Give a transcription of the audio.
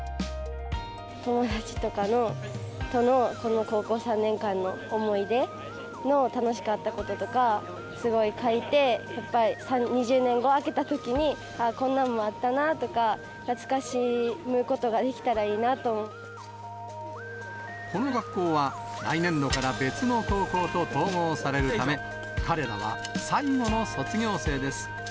友達とかとのこの高校３年間の思い出の楽しかったこととか、すごい書いて、やっぱり２０年後、開けたときに、ああ、こんなんもあったなとか、この学校は、来年度から別の高校と統合されるため、彼らは最後の卒業生です。